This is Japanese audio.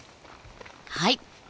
はい！